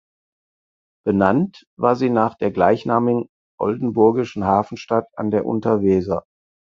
Benannt war sie nach der gleichnamigen oldenburgischen Hafenstadt an der Unterweser.